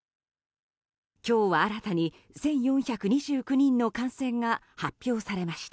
今日新たに１４２９人の感染が発表されました。